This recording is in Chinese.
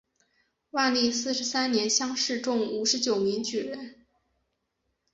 万历四十三年乡试中五十九名举人。